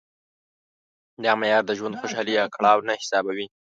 دا معیار د ژوند خوشالي یا کړاو نه حسابوي.